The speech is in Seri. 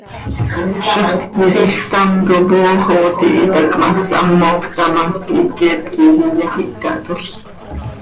Zaxt quisil ctam cop hoox oo tihitac ma, shamoc taa ma, quiiquet quij iyafícatol.